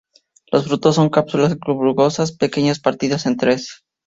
Los frutos son cápsulas globosas pequeñas partidas en tres.